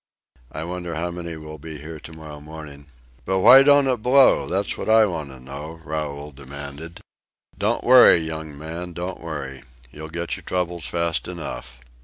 "I wonder how many will be here tomorrow morning." "But why don't it blow? that's what I want to know," Raoul demanded. "Don't worry, young man, don't worry; you'll get your troubles fast enough."